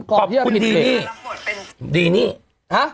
กรอบเพียงก็ปิดเบรก